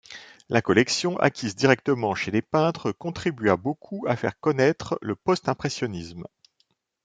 La collection, acquise directement chez les peintres, contribua beaucoup à faire connaître le postimpressionnisme.